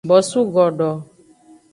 Bosu godo.